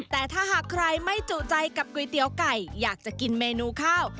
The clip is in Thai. แต่ถ้าหากใครไม่จุใจกับก๋วยเตี๋ยวไก่อยากจะกินเมนูข้าว